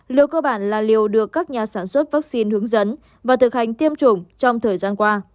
liều cơ bản là liều được các nhà sản xuất vắc xin hướng dẫn và thực hành tiêm chủng trong thời gian qua